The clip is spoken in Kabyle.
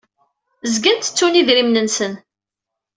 Zgan ttettun idrimen-nsen.